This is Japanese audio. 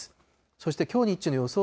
そしてきょう日中の予想